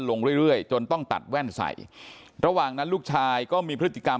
ลงเรื่อยเรื่อยจนต้องตัดแว่นใส่ระหว่างนั้นลูกชายก็มีพฤติกรรม